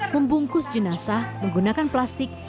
membungkus jenazah menggunakan plastik